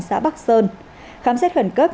xã bắc sơn khám xét khẩn cấp